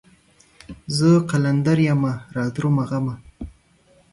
زه قلندر يمه رادرومه غمه